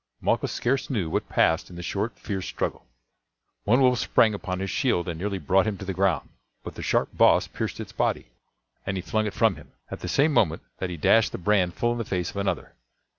Malchus scarce knew what passed in the short, fierce struggle. One wolf sprang upon his shield and nearly brought him to the ground; but the sharp boss pierced its body, and he flung it from him, at the same moment that he dashed the brand full in the face of another.